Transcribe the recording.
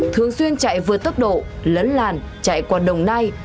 thường xuyên chạy vượt tốc độ lấn làn chạy qua đồng nai